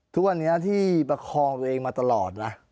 ทุกวันนี้ที่ประคองตัวเองมาตลอดนะ